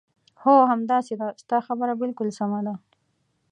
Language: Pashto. هو، همداسې ده، ستا خبره بالکل سمه ده.